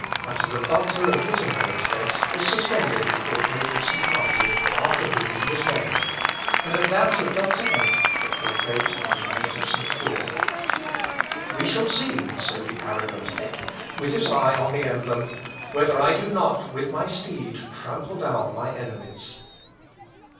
At the doctor of Wittemberg's desk was suspended the portrait of St. Martin, after whom he was named; and at that of Dr. Eck, the portrait of the knight of St. George. "We shall see," said the arrogant Eck, with his eye on the emblem, "whether I do not, with my steed, trample down my enemies."